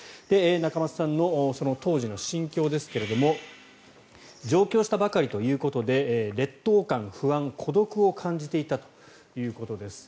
仲正さんの当時の心境ですが上京したばかりということで劣等感、不安、孤独を感じていたということです。